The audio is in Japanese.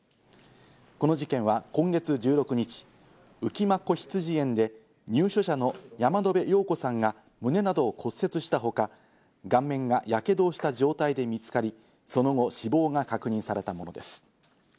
この事件は今月１６日、浮間こひつじ園で入所者の山野辺陽子さんが胸などを骨折したほか、顔面がやけどをした状態で見つかり、その後、死亡が確認されたものです。